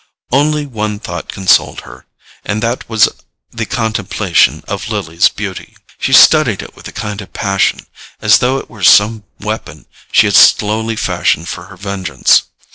Only one thought consoled her, and that was the contemplation of Lily's beauty. She studied it with a kind of passion, as though it were some weapon she had slowly fashioned for her vengeance.